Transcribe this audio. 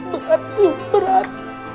berat tuh berat